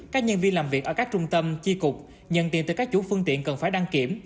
các nhân viên làm việc ở các trung tâm chi cục nhận tiền từ các chủ phương tiện cần phải đăng kiểm